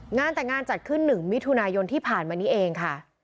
งานแต่งงานจัดขึ้น๑มิถุนายนที่ผ่านมานี้เองค่ะ